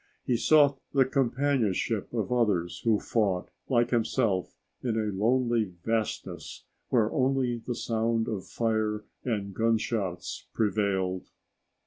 He sought the companionship of others who fought, like himself, in a lonely vastness where only the sound of fire and gunshots prevailed.